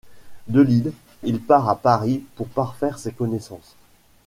De Lille il part à Paris pour parfaire ses connaissances.